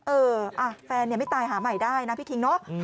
เออแฟนไม่ตายหาใหม่ได้นะพี่คิงเนอะ